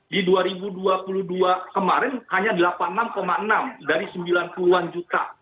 di dua ribu dua puluh dua kemarin hanya delapan puluh enam enam dari sembilan puluh an juta